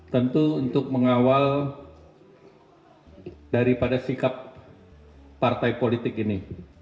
tentu untuk mengawal daripada sikap partai politik ini